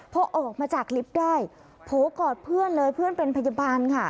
พอออกมาจากลิฟต์ได้โผล่กอดเพื่อนเลยเพื่อนเป็นพยาบาลค่ะ